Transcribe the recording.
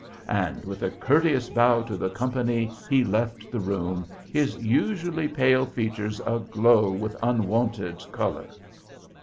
"And with a courteous bow to the company he left the room, his usually pale features aglow with unwonted color."